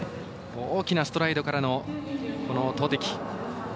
大きなストライドからの投てき。